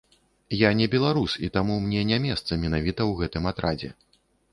Я не беларус, і таму мне не месца менавіта ў гэтым атрадзе.